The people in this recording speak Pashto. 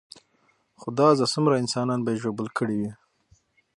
خدا زده څومره انسانان به ژوبل کړي وي.